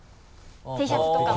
Ｔシャツとかも。